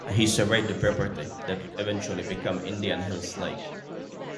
He surveyed the property that would eventually become Indian Hills Lake.